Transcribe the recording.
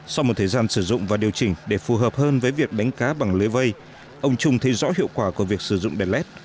sau một thời gian sử dụng và điều chỉnh để phù hợp hơn với việc đánh cá bằng lưới vây ông trung thấy rõ hiệu quả của việc sử dụng đèn led